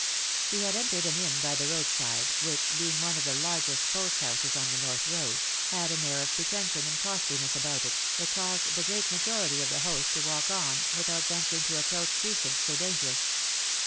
He had entered an inn by the road side, which, being one of the largest post houses on the north road, had an air of pretension and costliness about it, that caused the great majority of the host to walk on, without venturing to approach precincts so dangerous.